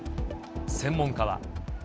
専門家は。